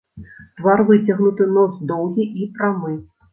Твар выцягнуты, нос доўгі і прамы.